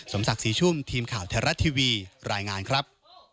ศักดิ์ศรีชุ่มทีมข่าวไทยรัฐทีวีรายงานครับ